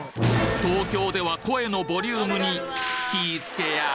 東京では声のボリュームに気ぃつけや！